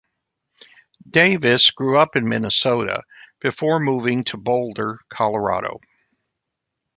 Davis grew up in Minnesota before moving to Boulder, Colorado.